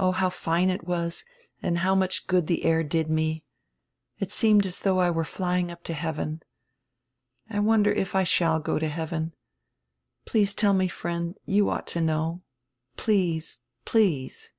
Oh, how fine it was and how much good die air did me! It seemed as diough I were flying up to heaven. I wonder if I shall go to heaven? Tell me, friend, you ought to know. Please, please."